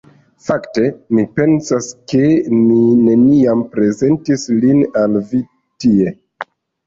Fakte, mi pensas, ke mi neniam prezentis lin al vi. Tie!